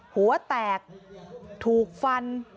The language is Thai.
หัวแตกถูกฟัน